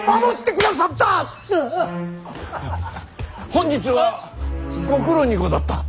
本日はご苦労にござった。